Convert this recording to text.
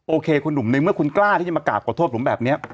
โอเคคุณหนุ่มในเมื่อคุณกล้าที่จะมากราบขอโทษผมแบบนี้